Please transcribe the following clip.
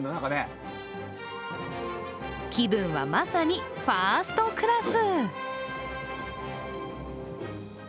気分はまさにファーストクラス。